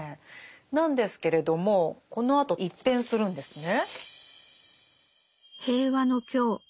なんですけれどもこのあと一変するんですね。